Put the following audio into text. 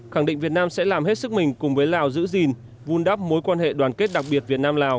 khẳng định việt nam sẽ làm hết sức mình cùng với lào giữ gìn vun đắp mối quan hệ đoàn kết đặc biệt việt nam lào